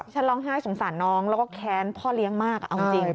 ฉันร้องไห้สงสารน้องแล้วก็แค้นพ่อเลี้ยงมากเอาจริง